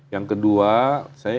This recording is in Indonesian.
yang kedua saya